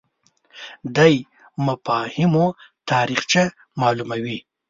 دی مفاهیمو تاریخچه معلوموي